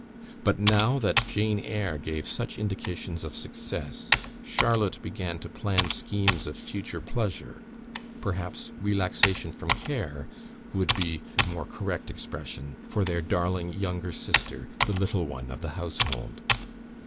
But now that "Jane Eyre" gave such indications of success, Charlotte began to plan schemes of future pleasure, perhaps relaxation from care, would be the more correct expression, for their darling younger sister, the "little one" of the household.